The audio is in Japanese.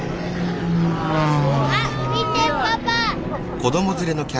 あっ見てパパ！